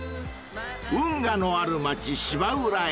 ［運河のある町芝浦へ］